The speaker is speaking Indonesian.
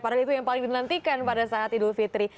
padahal itu yang paling dinantikan pada saat idul fitri